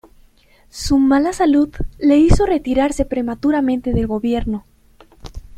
Su mala salud le hizo retirarse prematuramente del gobierno.